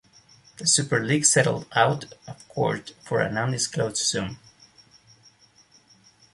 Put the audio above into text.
The Superleague settled out of court for an undisclosed sum.